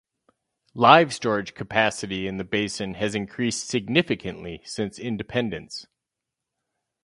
Live storage capacity in the basin has increased significantly since independence.